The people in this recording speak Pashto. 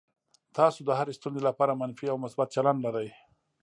تاسو د هرې ستونزې لپاره منفي او مثبت چلند لرئ.